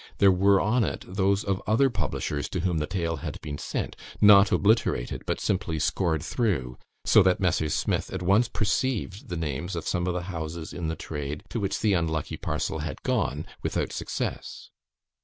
there were on it those of other publishers to whom the tale had been sent, not obliterated, but simply scored through, so that Messrs. Smith at once perceived the names of some of the houses in the trade to which the unlucky parcel had gone, without success.